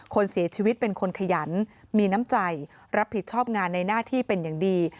คนเสียชีวิตเป็นคนขยันมีน้ำใจรับผิดชอบงานในหน้าที่เป็นอย่างดี